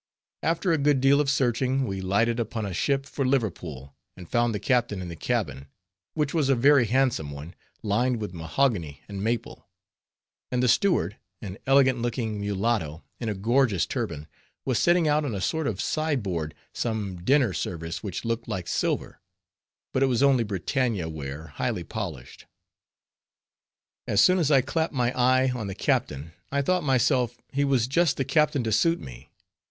After a good deal of searching we lighted upon a ship for Liverpool, and found the captain in the cabin; which was a very handsome one, lined with mahogany and maple; and the steward, an elegant looking mulatto in a gorgeous turban, was setting out on a sort of sideboard some dinner service which looked like silver, but it was only Britannia ware highly polished. As soon as I clapped my eye on the captain, I thought myself he was just the captain to suit me.